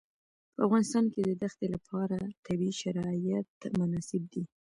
په افغانستان کې د دښتې لپاره طبیعي شرایط مناسب دي.